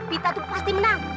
si evita itu pasti menang